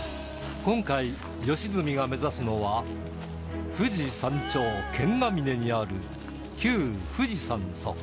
今回良純が目指すのは富士山頂剣ヶ峰にある旧富士山測候所